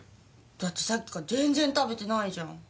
だってさっきから全然食べてないじゃん。